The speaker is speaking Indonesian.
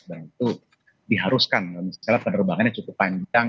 dan itu diharuskan misalnya penerbangannya cukup panjang